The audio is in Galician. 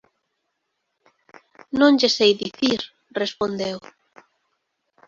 Non lle sei dicir —respondeu—.